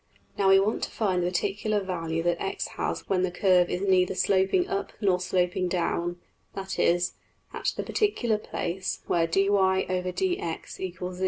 Now we want to find the particular value that $x$ has when the curve is neither sloping up nor sloping down, that is, at the particular place where $\dfrac{dy}{dx} = 0$.